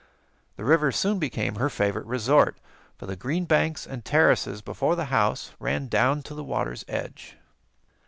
The river soon became her favorite resort, for the green banks and terraces before the house ran down to the water's edge.